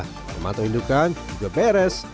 kecamatan indukan juga beres